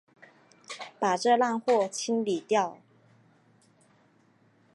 把这烂货清理掉！